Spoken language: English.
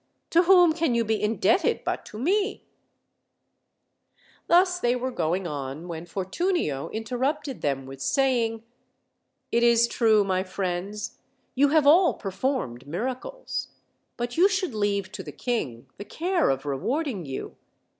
To whom can you be indebted but to me?" 94 OLD, OLD FAIRY TALSS. Thus they were going on, when Fortunio interrupted them with saying: "It is true, my friends, you have all performed miracles; but you should leave to the king the care of rewarding you.